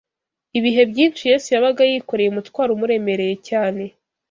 Ibihe byinshi Yesu yabaga yikoreye umutwaro umuremereye cyane